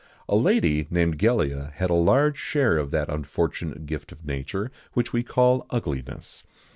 A lady, named Gellia, had a large share of that unfortunate gift of nature which we call ugliness.